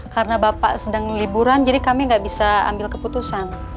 karena bapak sedang liburan jadi kami nggak bisa ambil keputusan